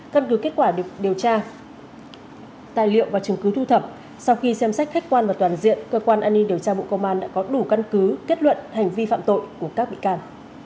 căn cứ kết quả được điều tra tài liệu và chứng cứ thu thập sau khi xem xét khách quan và toàn diện cơ quan an ninh điều tra bộ công an đã có đủ căn cứ kết luận hành vi phạm tội của các bị can